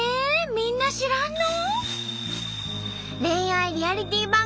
みんな知らんの？